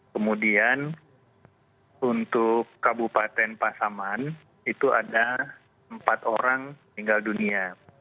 kemudian untuk kabupaten pasaman itu ada empat orang meninggal dunia